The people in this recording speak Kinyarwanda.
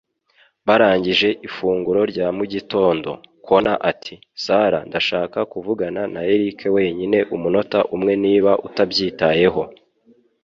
Barangije ifunguro rya mu gitondo, Connor ati: "Sarah, ndashaka kuvugana na Eric wenyine umunota umwe niba utabyitayeho."